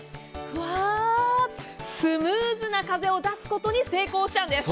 ふわっ、スムーズな風を出すことに成功したんです。